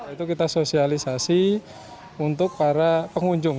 itu kita sosialisasi untuk para pengunjung